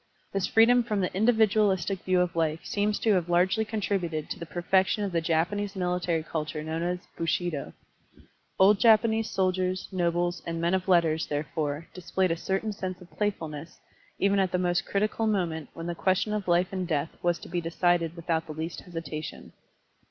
This freedom from the individualistic view of life seems to have largely contributed to the perfec tion of the Japanese military culture known as Bushido, Old Japanese soldiers, nobles, and men of letters, therefore, displayed a certain sens^ of playfulness even at the most critical moment Digitized by Google BUDDHISM AND ORIENTAL CULTURE 1 77 when the question of Ufe and death was to be decided without the least hesitation.